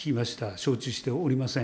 承知しておりません。